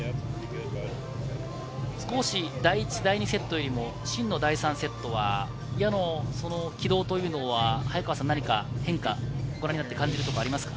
少し第１、第２セットよりもシンの第３セットは矢の軌道というのは早川さん、何か変化はご覧になって感じるところはありますか？